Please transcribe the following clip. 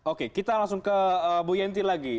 oke kita langsung ke bu yenty lagi